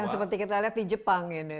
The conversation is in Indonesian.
seperti kita lihat di jepang ini